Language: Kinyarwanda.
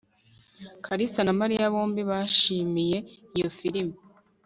kalisa na mariya bombi bishimiye iyo filime